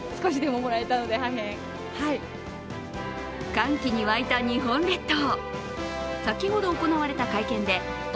歓喜に沸いた日本列島。